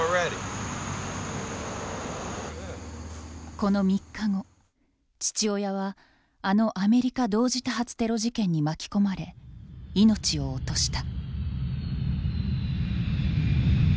この３日後父親はあのアメリカ同時多発テロ事件に巻き込まれ命を落とした。